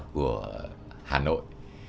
của hà nội